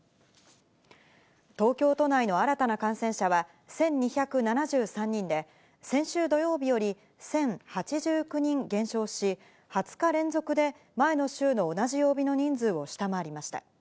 東京都内の新たな感染者は１２７３人で、先週土曜日より１０８９人減少し、２０日連続で前の週の同じ曜日の人数を下回りました。